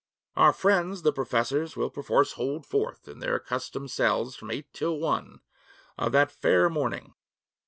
'Our friends, the professors, will perforce hold forth in their accustomed cells from eight till one of that fair morning.